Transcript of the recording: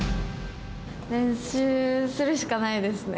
練習するしかないですね。